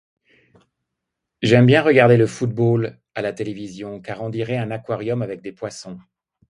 J'aime bien regarder le football à la télévision car en dirait un aquarium avec des poissons